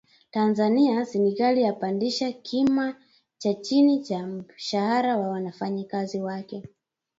Tanzania Serikali yapandisha kima cha chini cha mshahara wa wafanyakazi wake